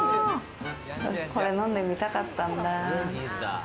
これ、飲んでみたかったんだ。